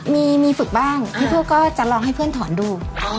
มีฝึกบ้างพี่พวกก็จะลองให้เพื่อนถอนดู